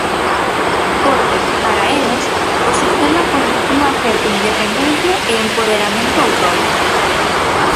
Porque, para elas, o sistema conduciu á certa independencia e empoderamento autónomo.